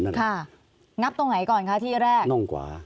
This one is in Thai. งับตรงไหนก่อนค่ะที่แรก